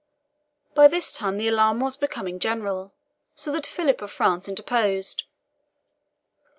By this time the alarm was becoming general, so that Philip of France interposed.